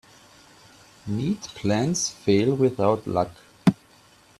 Neat plans fail without luck.